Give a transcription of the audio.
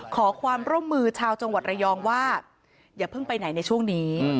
ขอความร่วมมือชาวจังหวัดระยองว่าอย่าเพิ่งไปไหนในช่วงนี้